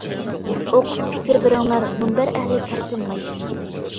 ئوقۇپ پىكىر بىرىڭلار، مۇنبەر ئەھلى تار تىنماي.